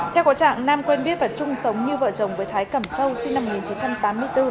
theo có trạng nam quen biết và chung sống như vợ chồng với thái cẩm châu sinh năm một nghìn chín trăm tám mươi bốn